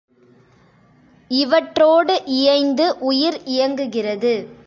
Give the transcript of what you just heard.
இவற்றோடு இயைந்து உயிர் இயங்குகிறது.